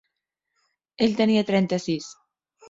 Ell tenia trenta-sis.